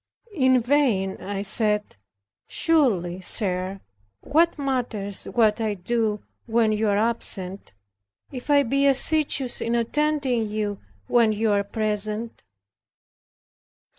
In vain I said, "Surely, sir, what matters it what I do when you are absent, if I be assiduous in attending you when you are present?"